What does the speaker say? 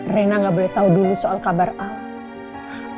reina nggak boleh tau dulu soal kabar al